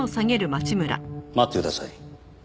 待ってください。